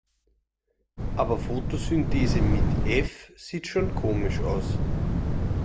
Aber Fotosynthese mit F sieht schon komisch aus.